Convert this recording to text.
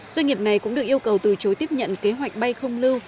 doanh nghiệp này cũng được yêu cầu từ chối tiếp nhận kế hoạch bay không lưu